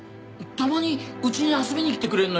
たまにうちに遊びに来てくれるのよ。